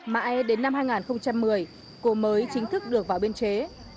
mãi đến năm hai nghìn một mươi cô mới chính thức được vào biên chế